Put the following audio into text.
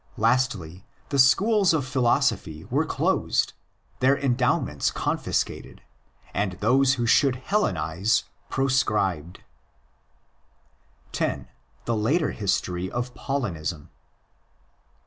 Lastly, the schools of philosophy were closed, their endowments confiscated, and those who should "" Hellenise '' proscribed. 10.—The Later History of Paulinism.